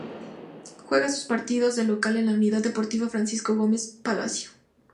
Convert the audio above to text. Juega sus partidos de local en la Unidad Deportiva Francisco Gómez Palacio.